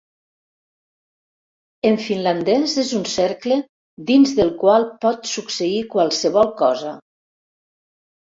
En finlandès és un cercle dins del qual pot succeir qualsevol cosa”.